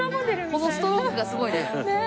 このストロークがすごいね。